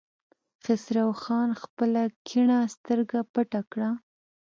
خسرو خان خپله کيڼه سترګه پټه کړه.